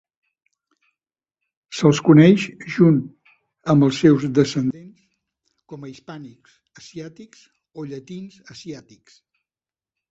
Se'ls coneix, junt amb els seus descendents, com a hispànics asiàtics o llatins asiàtics.